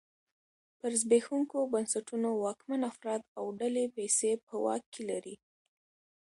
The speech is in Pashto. پر زبېښونکو بنسټونو واکمن افراد او ډلې پیسې په واک کې لري.